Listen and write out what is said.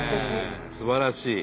すばらしい！